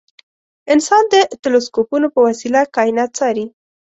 انسان د تلسکوپونو په وسیله کاینات څاري.